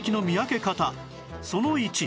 その１